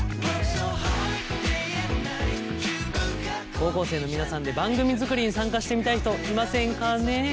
高校生の皆さんで番組作りに参加してみたい人いませんかねえ？